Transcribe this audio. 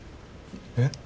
えっ？